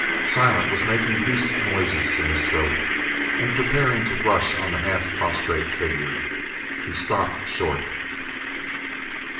Silent was making beast noises in his throat and preparing to rush on the half prostrate figure. He stopped short.